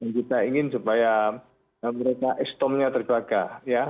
dan kita ingin supaya mereka ekstomnya terbagi